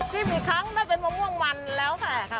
จิ้มอีกครั้งได้เป็นมะม่วงมันแล้วค่ะ